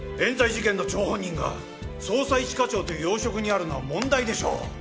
冤罪事件の張本人が捜査一課長という要職にあるのは問題でしょう。